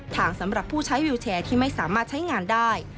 สำหรับผู้ใช้วิวแชร์ที่ไม่สามารถใช้งานได้